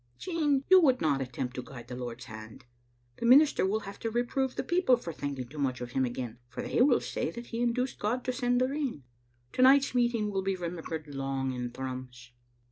" "Jean, you would not attempt to guide the Lord's hand. The minister will have to reprove the people for thinking too much of him again, for they will say that he induced God to send the rain. To night's meet ing will be remembered long in Thrums.